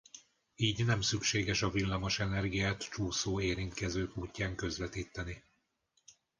Így nem szükséges a villamos energiát csúszó érintkezők útján közvetíteni.